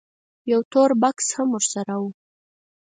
یو تور بکس هم ورسره و.